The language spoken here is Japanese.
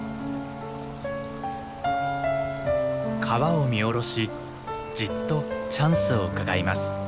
川を見下ろしじっとチャンスをうかがいます。